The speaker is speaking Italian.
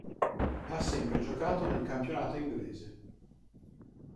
Ha sempre giocato nel campionato inglese.